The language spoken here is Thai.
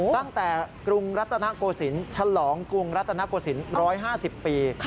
ตั้งแต่กรุงรัตนโกสินฉลองกรุงรัตนโกสิน๑๕๐ปี